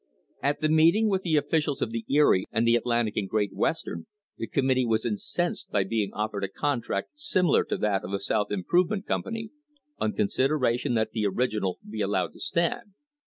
At the meeting with the officials of the Erie and the Atlantic and Great Western the committee was incensed by being offered a contract similar to that of the South Improve ment Company — on consideration that the original be allowed to stand.